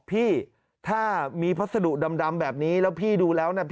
พี่ถ้ามีพัสดุดำแบบนี้แล้วพี่ดูแล้วนะ